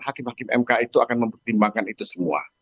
hakim hakim mk itu akan mempertimbangkan itu semua